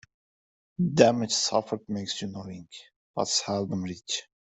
Damage suffered makes you knowing, but seldom rich.